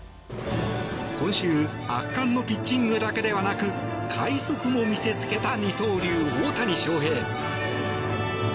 今週圧巻のピッチングだけではなく快足も見せつけた二刀流、大谷翔平。